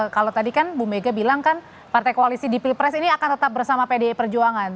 kalau tadi kan bu mega bilang kan partai koalisi di pilpres ini akan tetap bersama pdi perjuangan